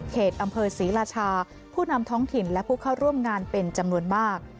อำเภอศรีราชาผู้นำท้องถิ่นและผู้เข้าร่วมงานเป็นจำนวนมาก